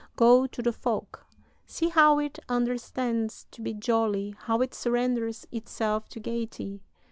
Go to the folk. See how it understands to be jolly, how it surrenders itself to gaiety.